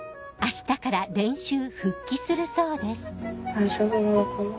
大丈夫なのかな。